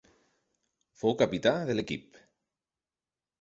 Fou capità de l'equip.